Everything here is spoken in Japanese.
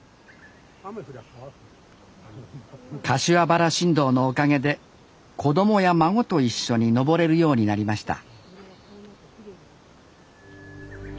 柏原新道のおかげで子供や孫と一緒に登れるようになりました